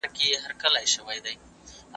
ګاونډی هیواد ډیپلوماټیکي اړیکي نه پري کوي.